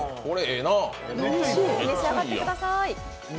召し上がってください。